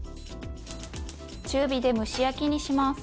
中火で蒸し焼きにします。